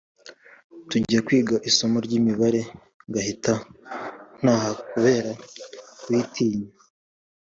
Tujya kwiga isomo ry’ imibare ngahita ntaha kubera kuyitinya